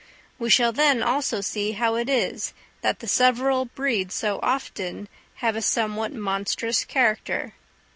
We shall then, also, see how it is that the several breeds so often have a somewhat monstrous character.